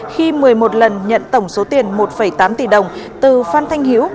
khi một mươi một lần nhận tổng số tiền một tám tỷ đồng từ phan thanh hiếu